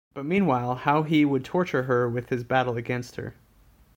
But meanwhile, how he would torture her with his battle against her.